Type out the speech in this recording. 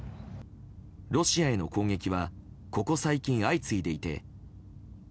ロシアへの攻撃はここ最近、相次いでいて。